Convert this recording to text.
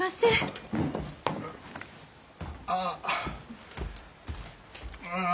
ああ。